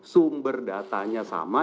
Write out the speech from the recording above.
sumber datanya sama